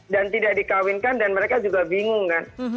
dan tidak dikawinkan dan mereka juga bingung kan